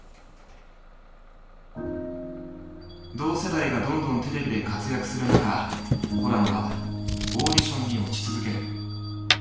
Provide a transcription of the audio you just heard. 同世代がどんどんテレビで活躍する中ホランはオーディションに落ち続ける。